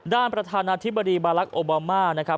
ด้านประธานาธิบดีบารักษ์โอบามา